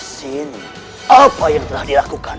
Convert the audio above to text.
teman teman di bawah